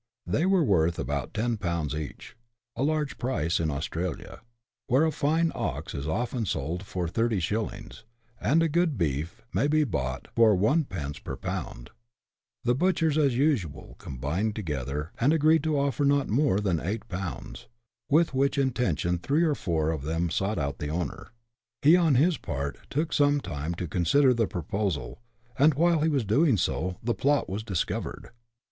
They were worth about ten pounds each, a large price in Australia, where a fine ox is often sold for thirty shillings, and good beef may be bought for Id. per pound. The CHAP. VI.] " BOILING DOWN. butchers, as usual, combined together, and agreed to offer not more than eight pounds, with which intention three or four of them sought out the owner. He, on his part, took some time to consider the proposal, and while he was doing so, the plot was discovered.